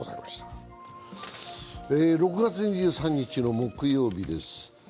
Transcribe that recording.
６月２３日の木曜日です。